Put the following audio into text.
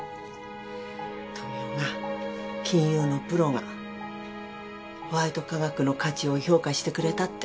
富生が金融のプロがホワイト化学の価値を評価してくれたって。